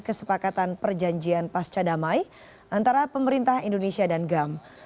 kesepakatan perjanjian pasca damai antara pemerintah indonesia dan gam